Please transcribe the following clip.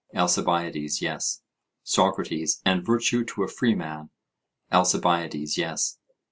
ALCIBIADES: Yes. SOCRATES: And virtue to a freeman? ALCIBIADES: Yes.